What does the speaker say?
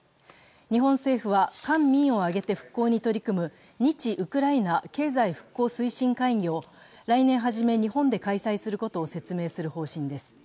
日本政府は官民を挙げて復興に取り組む日・ウクライナ経済復興推進会議を来年初め、日本で開催することを説明する方針です。